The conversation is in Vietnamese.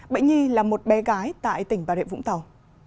bệnh nhi là một bé gái tại tỉnh bà rịa vũng tàu